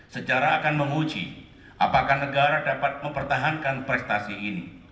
sejarah akan menguji apakah negara dapat mempertahankan prestasi ini